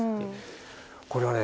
これはね